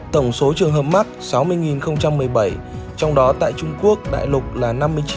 tổng số trường hợp mắc sáu mươi một mươi bảy trong đó tại trung quốc đại lục là năm mươi chín bốn trăm chín mươi ba